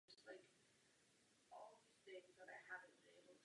Jeho majetek dosahoval tří milionů liber.